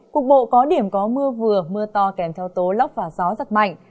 cuộc bộ có điểm có mưa vừa mưa to kèm theo tố lóc và gió rất mạnh